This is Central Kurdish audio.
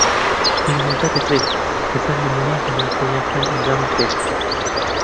پشکنینەکە دەکرێت لە سەر نمونەی هەناسە یان خوێن ئەنجام بدرێت.